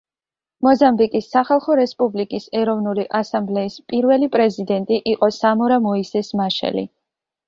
მოზამბიკის სახალხო რესპუბლიკის ეროვნული ასამბლეის პირველი პრეზიდენტი იყო სამორა მოისეს მაშელი.